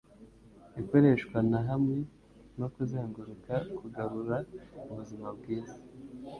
ikoreshwa na hamwe no kuzenguruka kugarura ubuzima bwiza